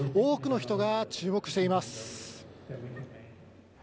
多くの人が注目しています。